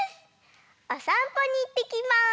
おさんぽにいってきます！